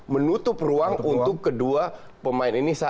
menutup ruang untuk kedua pemain ini